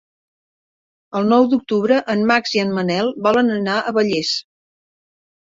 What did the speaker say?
El nou d'octubre en Max i en Manel volen anar a Vallés.